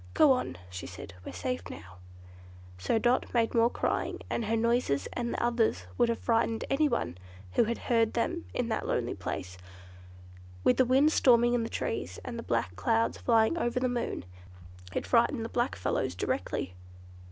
"Go on," she said, "we're safe now," so Dot made more crying, and her noises and the others would have frightened anyone who had heard them in that lonely place, with the wind storming in the trees, and the black clouds flying over the moon. It frightened the black fellows directly.